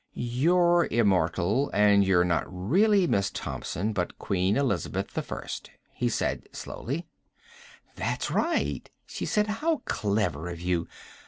"You're immortal, and you're not really Miss Thompson, but Queen Elizabeth I?" he said slowly. "That's right," she said. "How clever of you.